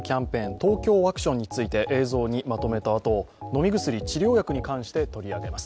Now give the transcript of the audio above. ＴＯＫＹＯワクションについて映像にまとめたあと飲み薬治療薬について取り上げます。